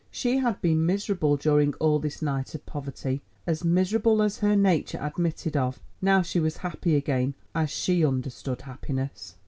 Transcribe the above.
She had been miserable during all this night of poverty, as miserable as her nature admitted of, now she was happy again, as she understood happiness.